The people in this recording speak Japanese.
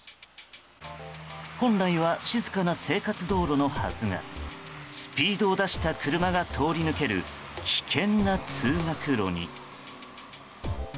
本来は静かな生活道路のはずがスピードを出した車が通り抜ける危険な通学路に。